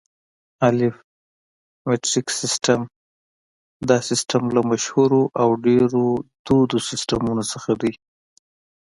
الف: مټریک سیسټم: دا سیسټم له مشهورو او ډېرو دودو سیسټمونو څخه دی.